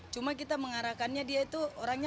cuma kita mengarahkannya dia itu orangnya